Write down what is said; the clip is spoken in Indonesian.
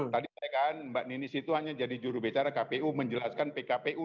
tadi saya kan mbak ninis itu hanya jadi jurubicara kpu menjelaskan pkpu